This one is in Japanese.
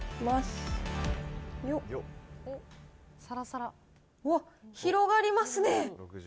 わっ、広がりますね。